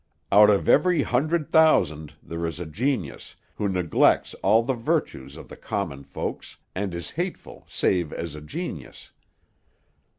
Out of every hundred thousand there is a genius, who neglects all the virtues of the common folks, and is hateful save as a genius.